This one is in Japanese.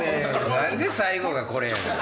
何で最後がこれやねん。